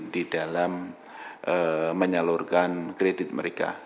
di dalam menyalurkan kredit mereka